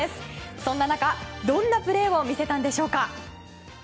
そんな中、どんなプレーを見せたんでしょうか。